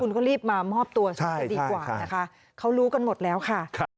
ก็รีบมามอบตัวซะดีกว่านะคะเขารู้กันหมดแล้วค่ะ